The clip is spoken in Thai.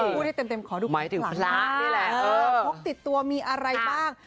พูดให้เต็มขอดูของขลังพกติดตัวมีอะไรบ้าง